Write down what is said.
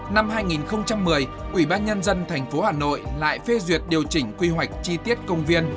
năm hai nghìn một mươi quỹ ban nhân dân thành phố hà nội lại phê duyệt điều chỉnh quy hoạch chi tiết công viên